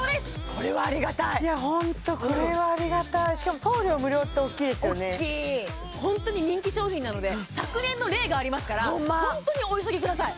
これはありがたいいやホントこれはありがたいしかも送料無料っておっきいですよねおっきいホントに人気商品なので昨年の例がありますからホントにお急ぎください